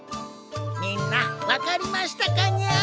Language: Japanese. みんな分かりましたかニャ？